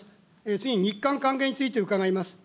次に日韓関係について伺います。